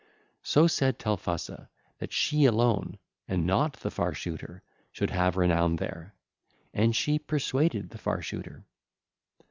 So said Telphusa, that she alone, and not the Far Shooter, should have renown there; and she persuaded the Far Shooter.